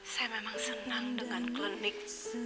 saya memang senang dengan klinik